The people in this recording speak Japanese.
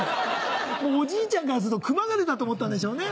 おじいちゃんからするとクマが出たと思ったんでしょうね。